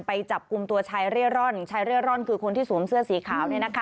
ไปจับกลุ่มตัวชายเร่ร่อนชายเร่ร่อนคือคนที่สวมเสื้อสีขาว